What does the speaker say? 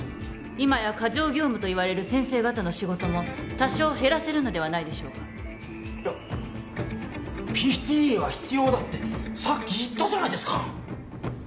今や過剰業務と言われる先生方の仕事も多少減らせるのではないでしょうかいやＰＴＡは必要だってさっき言ったじゃないですか！